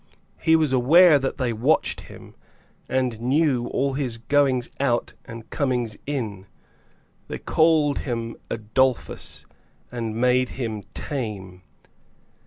He was aware that they watched him, and knew all his goings out and comings in. They called him Adolphus, and made him tame.